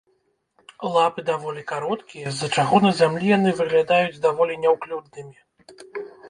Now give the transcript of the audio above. Лапы даволі кароткія, з-за чаго на зямлі яны выглядаюць даволі няўклюднымі.